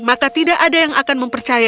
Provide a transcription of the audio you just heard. maka tidak ada yang akan mempercaya